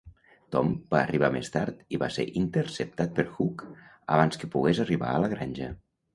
Tom va arribar més tard i va ser interceptat per Huck abans que pogués arribar a la granja.